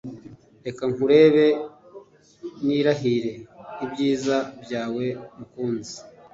Reka nkurebe nirahire ibyiza byawe mukunzi